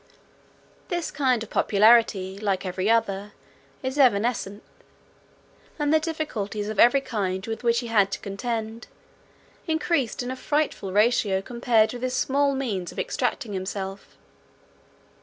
This kind of popularity, like every other, is evanescent: and the difficulties of every kind with which he had to contend, increased in a frightful ratio compared with his small means of extricating himself.